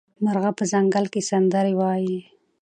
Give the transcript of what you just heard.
مرغه په ځنګل کې سندرې وايي.